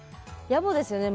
やぼですよね。